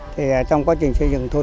thì trong quá trình xây dựng thôn